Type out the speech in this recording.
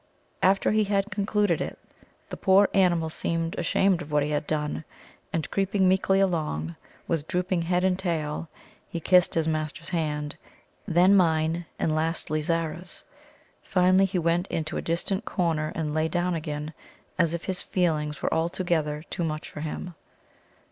After he had concluded it, the poor animal seemed ashamed of what he had done, and creeping meekly along, with drooping head and tail, he kissed his master's hand, then mine, and lastly Zara's. Finally, he went into a distant corner and lay down again, as if his feelings were altogether too much for him.